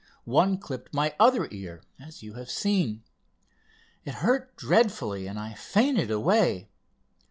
One clipped my other ear, as you have seen. It hurt dreadfully, and I fainted away.